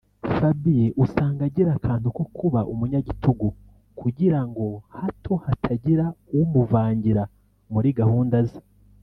Fabien usanga agira akantu ko kuba umunyagitugu kugira ngo hato hatagira umuvangira muri gahunda ze